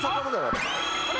あれ？